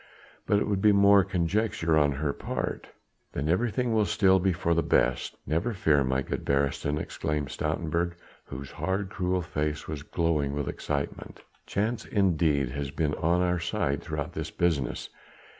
But it would be mere conjecture on her part." "Then everything will still be for the best, never fear, my good Beresteyn," exclaimed Stoutenburg, whose hard, cruel face was glowing with excitement. "Chance indeed has been on our side throughout this business.